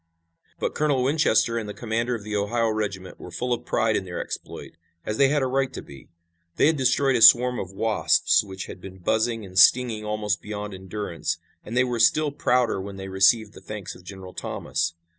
But Colonel Winchester and the commander of the Ohio regiment were full of pride in their exploit, as they had a right to be. They had destroyed a swarm of wasps which had been buzzing and stinging almost beyond endurance, and they were still prouder when they received the thanks of General Thomas.